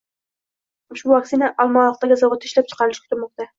Ushbu vaksina Olmaliqdagi zavodda ishlab chiqarilishi kutilmoqda